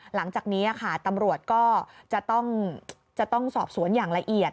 หลังจากนี้ค่ะตำรวจก็จะต้องสอบสวนอย่างละเอียด